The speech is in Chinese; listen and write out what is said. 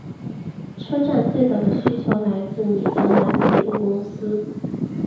车站最早的需求来自米德兰铁路公司。